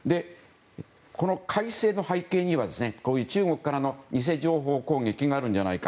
この改正の背景には、中国からの偽情報攻撃があるんじゃないか。